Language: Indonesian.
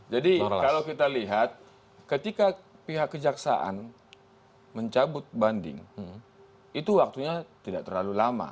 jadi kalau kita lihat ketika pihak kejaksaan mencabut banding itu waktunya tidak terlalu lama